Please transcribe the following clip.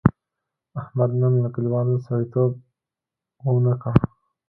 احمد نن له کلیوالو سړیتیوب و نه کړ.